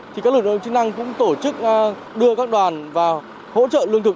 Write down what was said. lực lượng chức năng cũng tổ chức đưa các đoàn và hỗ trợ lương thực